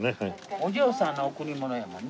お嬢さんの贈り物やもんね。